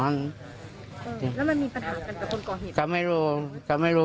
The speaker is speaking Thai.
ด้วยสีหน้าแคล่งเคลียด